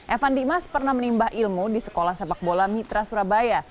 evan dimas pernah menimba ilmu di sekolah sepak bola mitra surabaya